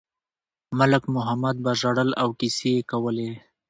ملک محمد به ژړل او کیسې یې کولې.